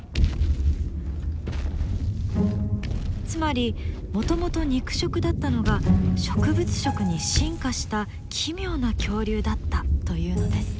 つまりもともと肉食だったのが植物食に進化した奇妙な恐竜だったというのです。